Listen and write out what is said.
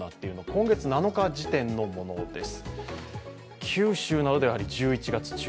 今月７日時点のものです。